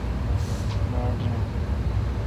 باڑ رین۔